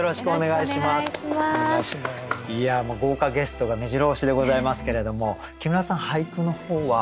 いやもう豪華ゲストがめじろ押しでございますけれども木村さん俳句の方は？